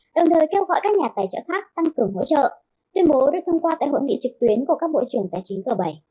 đồng thời kêu gọi các nhà tài trợ khác tăng cường hỗ trợ tuyên bố được thông qua tại hội nghị trực tuyến của các bộ trưởng tài chính g bảy